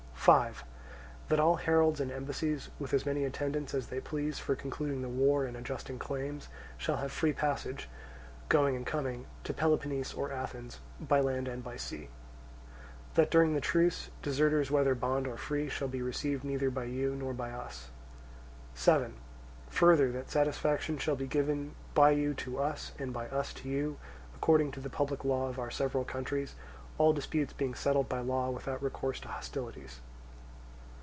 5. That all heralds and embassies, with as many attendants as they please, for concluding the war and adjusting claims, shall have free passage, going and coming, to Peloponnese or Athens by land and by sea. 6. That during the truce, deserters whether bond or free shall be received neither by you, nor by us. 7. Further, that satisfaction shall be given by you to us and by us to you according to the public law of our several countries, all disputes being settled by law without recourse to hostilities.